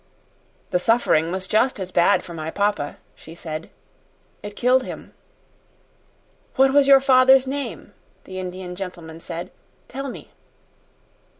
"The suffering was just as bad for my papa," she said. "It killed him." "What was your father's name?" the Indian gentleman said. "Tell me."